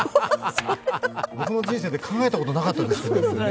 僕の人生で考えたことなかったです。